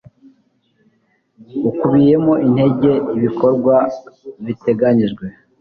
ukubiyemo intego ibikorwa biteganyijwe